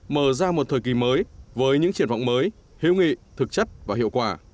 mở ra một thời kỳ mới với những triển vọng mới hữu nghị thực chất và hiệu quả